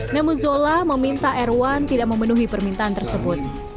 namun zola meminta erwan tidak memenuhi permintaan tersebut